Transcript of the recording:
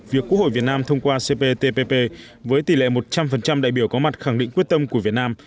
việc quốc hội việt nam thông qua cptpp với tỷ lệ một trăm linh đại biểu có mặt khẳng định quyết tâm của việt nam